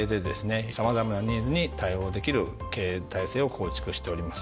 様々なニーズに対応できる経営体制を構築しております。